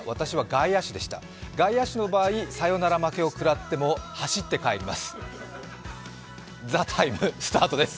外野手の場合サヨナラ負けをくらっても走って帰ります。